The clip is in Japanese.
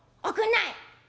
「おくんない」。